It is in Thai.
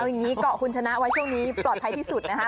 อย่างนี้เกาะคุณชนะไว้ช่วงนี้ปลอดภัยที่สุดนะคะ